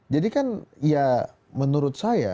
jadi kan ya menurut saya